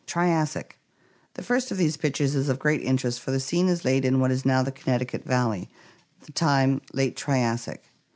Triassic. — The first of these pictures is of great interest, for the scene is laid in what is now the Connecticut valley; the time, late Triassic.